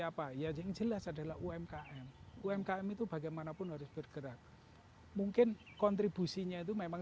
apa ya yang jelas adalah umkm umkm itu bagaimanapun harus bergerak mungkin kontribusinya itu memang